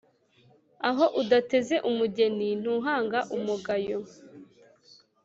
Aho udatezeumugeni ntuhanga umugayo.